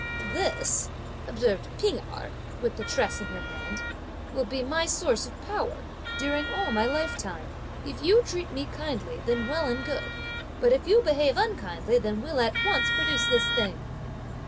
"This," observed P'ing Erh, with the tress in her hand, "will be my source of power, during all my lifetime! if you treat me kindly, then well and good! but if you behave unkindly, then we'll at once produce this thing!"